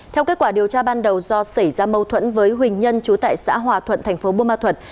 theo kết quả điều tra ban đầu do xảy ra mâu thuẫn với huỳnh nhân trú tại xã hòa thuận tp bô ma thuật